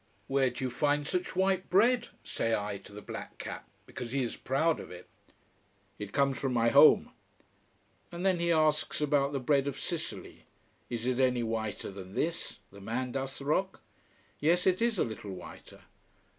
"Where do you find such white bread?" say I to the black cap, because he is proud of it. "It comes from my home." And then he asks about the bread of Sicily. Is it any whiter than this the Mandas rock. Yes, it is a little whiter.